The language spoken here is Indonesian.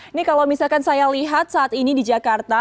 ini kalau misalkan saya lihat saat ini di jakarta